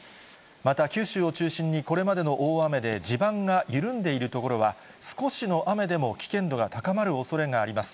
また九州を中心にこれまでの大雨で地盤が緩んでいる所は、少しの雨でも危険度が高まるおそれがあります。